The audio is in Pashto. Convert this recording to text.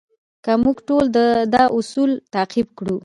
که موږ ټول دا اصول تعقیب کړو.